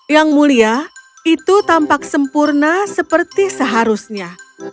yang mulia itu tampak sempurna seperti seharusnya